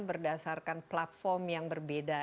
berdasarkan platform yang berbeda